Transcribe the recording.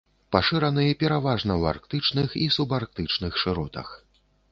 Пашыраны пераважна ў арктычных і субарктычных шыротах.